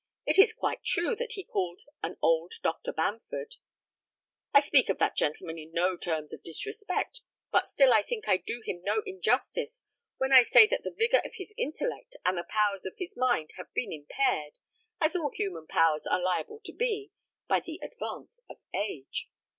It is quite true that he called on old Dr. Bamford. I speak of that gentleman in no terms of disrespect, but still I think I do him no injustice when I say that the vigour of his intellect and the powers of his mind have been impaired, as all human powers are liable to be, by the advance of age.